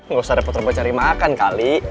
gak usah repot repot cari makan kali